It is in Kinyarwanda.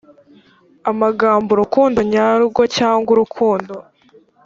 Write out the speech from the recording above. amagambo urukundo nyarwo cyangwa urukundo